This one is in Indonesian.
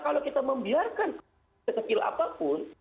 kalau kita membiarkan sekecil apapun